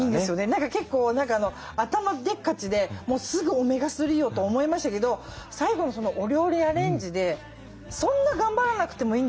何か結構頭でっかちですぐオメガ３をと思いましたけど最後のお料理アレンジでそんな頑張らなくてもいいんですもんね。